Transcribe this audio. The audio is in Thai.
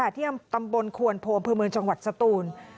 เที่ยงตำบลควนโพมพื้นเมืองจังหวัดสตูน